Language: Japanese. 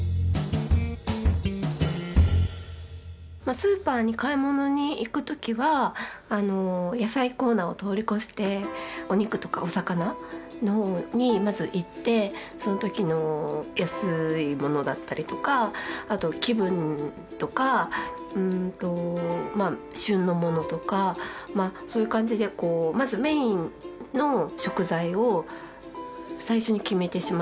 スーパーに買い物に行く時は野菜コーナーを通り越してお肉とかお魚のほうにまず行ってその時の安いものだったりとかあと気分とか旬のものとかそういう感じでまずメインの食材を最初に決めてしまいます。